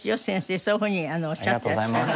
そういうふうにおっしゃっていらっしゃいます。